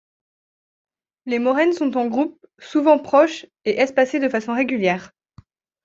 Les moraines sont en groupe souvent proches et espacés de façon régulière.